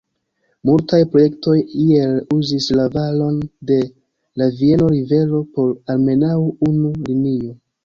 Multaj projektoj iel uzis la valon de la Vieno-rivero por almenaŭ unu linio.